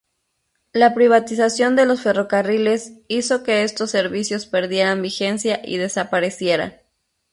La privatización de los ferrocarriles hizo que estos servicios perdieran vigencia y desaparecieran.